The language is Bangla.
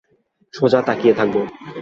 সোজা তাকিয়ে থাকব।